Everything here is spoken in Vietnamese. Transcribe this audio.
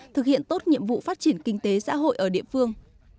thực hiện tốt nhiệm vụ phát triển kinh tế xã hội ở địa phương